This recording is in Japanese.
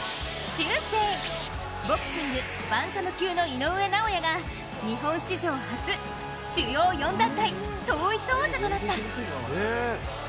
チューズデー、ボクシングバンタム級の井上尚弥が日本史上初、主要４団体統一王者となった。